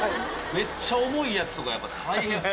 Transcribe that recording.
めっちゃ重いやつとかやっぱ大変。